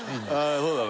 そうだね